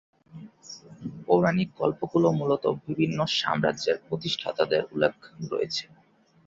পৌরাণিক গল্পগুলো মূলত বিভিন্ন সাম্রাজ্যের প্রতিষ্ঠাতাদের উল্লেখ রয়েছে।